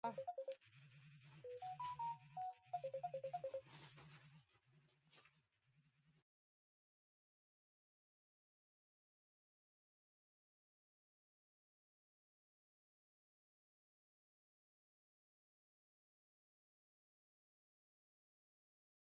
د يل پوهنتون رييس هيډلي په يوه مرکه کې وويل.